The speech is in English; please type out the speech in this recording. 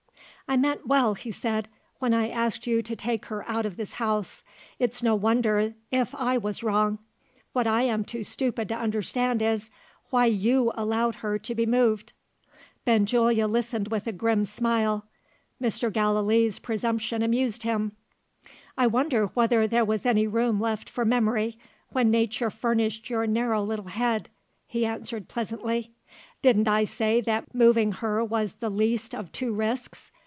"I meant well," he said, "when I asked you to take her out of this house. It's no wonder if I was wrong. What I am too stupid to understand is why you allowed her to be moved." Benjulia listened with a grim smile; Mr. Gallilee's presumption amused him. "I wonder whether there was any room left for memory, when nature furnished your narrow little head," he answered pleasantly. "Didn't I say that moving her was the least of two risks?